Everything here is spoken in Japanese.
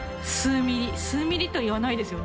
数ミリといわないですよね